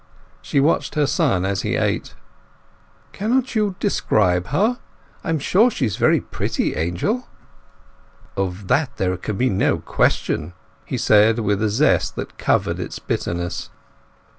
She watched her son as he ate. "Cannot you describe her? I am sure she is very pretty, Angel." "Of that there can be no question!" he said, with a zest which covered its bitterness.